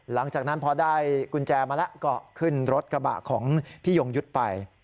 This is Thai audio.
หลังจากนั้นพอได้กุญแจมาแล้วก็ขึ้นรถกระบะของพี่ยงยุทธ์ไป